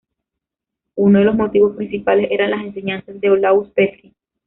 Uno de los motivos principales eran las enseñanzas de Olaus Petri.